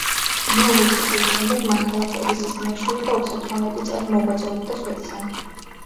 მეუღლის სიკვდილის შემდეგ მან ქალაქ ედესას მიაშურა და ოცდათვრამეტი წელი მოღვაწეობდა სვეტზე.